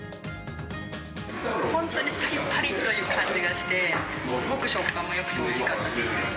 本当にぱりぱりっていう感じがして、すごく食感もよくて、おいしかったです。